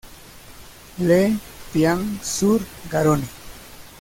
Le Pian-sur-Garonne